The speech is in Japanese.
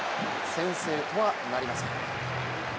先制とはなりません。